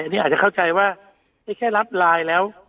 นี่อาจจะเข้าใจว่าแค่รับไลน์แล้ว